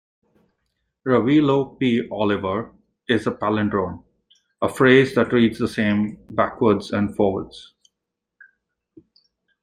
"Revilo P. Oliver" is a palindrome-a phrase that reads the same backwards and forwards.